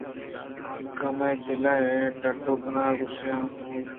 آ کمے دل ءَ ڈڈّ کنان ءَ گوٛشاں بوت